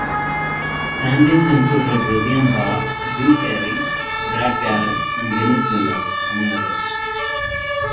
Stand-ins included Roseanne Barr, Drew Carey, Brad Garrett, and Dennis Miller, among others.